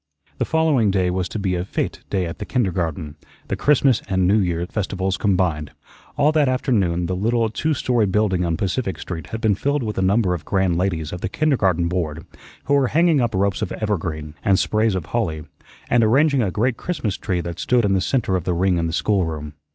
The following day was to be a fete day at the kindergarten, the Christmas and New Year festivals combined. All that afternoon the little two story building on Pacific Street had been filled with a number of grand ladies of the Kindergarten Board, who were hanging up ropes of evergreen and sprays of holly, and arranging a great Christmas tree that stood in the centre of the ring in the schoolroom.